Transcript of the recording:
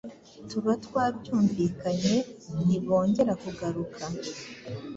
tuba twabyumvikanye ntibongera kugaruka